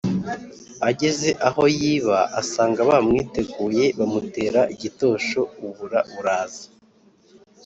ageze aho yiba asanga bamwiteguye bamutera igitosho ubura buraza.